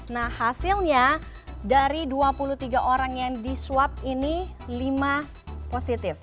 nah hasilnya dari dua puluh tiga orang yang diswab ini lima positif